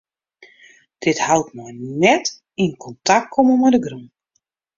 Dit hout mei net yn kontakt komme mei de grûn.